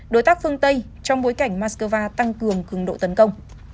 đối tác phương tây trong bối cảnh moscow tăng cường cường độ tấn công